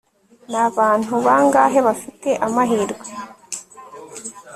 Ni abantu bangahe bafite amahirwe